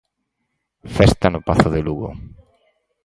Festa no Pazo de Lugo.